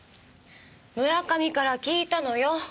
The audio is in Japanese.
村上から聞いたのよ。